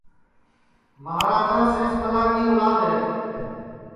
مہاراجا سینس ملا کی اولاد ہے